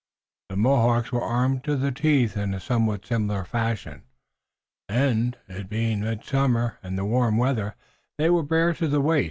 The Mohawks were armed to the teeth in a somewhat similar fashion, and, it being midsummer and the weather warm, they were bare to the waist.